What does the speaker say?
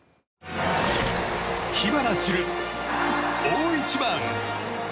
火花散る大一番。